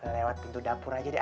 lewat pintu dapur aja deh